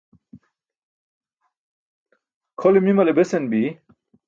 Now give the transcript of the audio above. Kʰole mimale besan bi.